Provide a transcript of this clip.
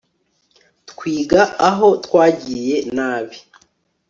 twiga aho twagiye nabi